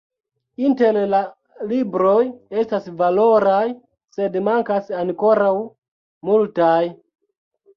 Inter la libroj estas valoraj, sed mankas ankoraŭ multaj.